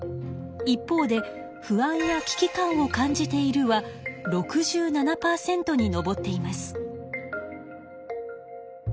一方で「不安や危機感を感じている」は６７パーセントに上っています。